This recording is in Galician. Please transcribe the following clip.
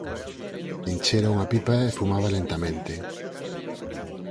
Enchera unha pipa e fumaba lentamente.